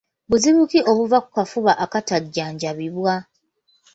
Buzibu ki obuva ku kafuba akatajjanjabiddwa?